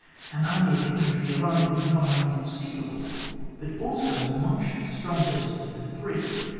An army of infantry alone is not only conceivable but also much the strong est of the three.